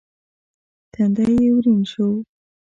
تندی يې ورين شو.